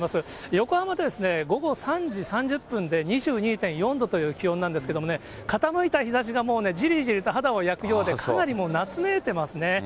横浜では午後３時３０分で２２．４度という気温なんですけどもね、傾いた日ざしがもう、じりじりと肌を焼くようでかなりもう夏めいてますね。